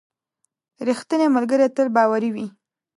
• رښتینی ملګری تل باوري وي.